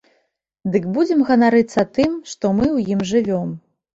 Дык будзем ганарыцца тым, што мы ў ім жывём!